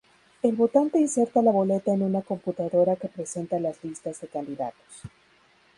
El votante inserta la boleta en una computadora que presenta las listas de candidatos.